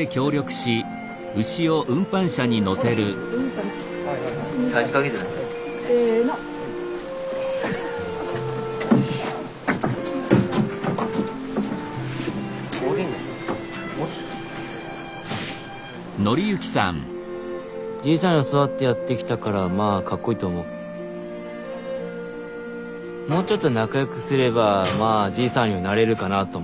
もうちょっと仲良くすればじいさんのようになれるかなと思って。